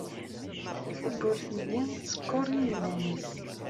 Tawwurt-nni tsekkeṛ i yiman-nnes.